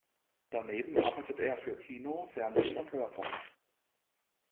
Daneben arbeitet er für Kino, Fernsehen und Hörfunk.